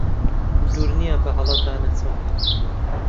دوور نییە بەهەڵەدا نەچم